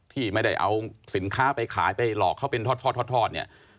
ที่ไม่ได้เอาสินค้าไปขายไปหลอกเขาเป็นทอดเนี่ย